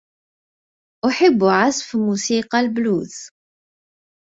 أحبّ عزف موسيقى البلوز.